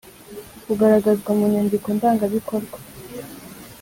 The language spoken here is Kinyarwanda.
kugaragazwa mu nyandiko ndangabikorwa